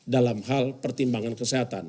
dalam hal pertimbangan penyidikan kepadanya